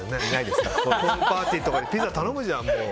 ホームパーティーとかでピザ頼むじゃん。